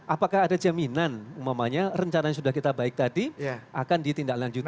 apakah ada jaminan umpamanya rencana yang sudah kita baik tadi akan ditindaklanjuti